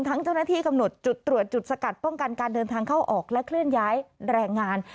เจ้าหน้าที่กำหนดจุดตรวจจุดสกัดป้องกันการเดินทางเข้าออกและเคลื่อนย้ายแรงงาน